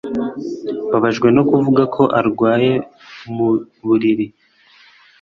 Mbabajwe no kuvuga ko arwaye mu buriri